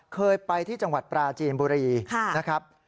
เคยไปที่จังหวัดปราจีนบุรีนะครับ